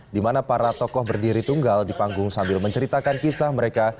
di mana para tokoh berdiri tunggal di panggung sambil menceritakan kisah mereka